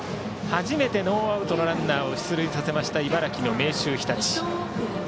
初めてノーアウトのランナーを出塁させました茨城の明秀日立。